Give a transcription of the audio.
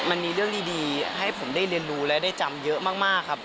มันมีเรื่องดีให้ผมได้เรียนรู้และได้จำเยอะมากครับ